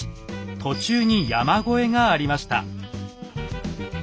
途中に山越えがありました。